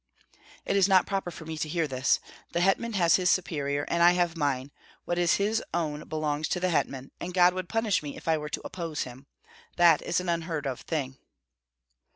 "It is not proper for me to hear this. The hetman has his superior, and I have mine; what is his own belongs to the hetman, and God would punish me if I were to oppose him. That is an unheard of thing."